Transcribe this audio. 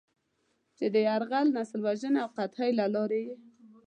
چې د "يرغل، نسل وژنې او قحطۍ" له لارې یې